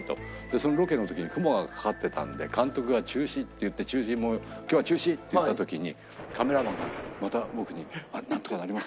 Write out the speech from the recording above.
そのロケの時に雲がかかってたので監督が中止って言って「もう今日は中止！」って言った時にカメラマンがまた僕に「なんとかなりませんか？」。